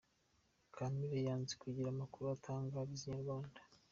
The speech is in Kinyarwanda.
Kampire yanze kugira amakuru atangariza Inyarwanda.